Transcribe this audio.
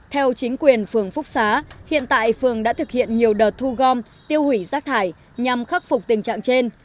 theo chính quyền phường phúc xá hiện tại phường đã thực hiện nhiều đợt thu gom tiêu hủy rác thải nhằm khắc phục tình trạng trên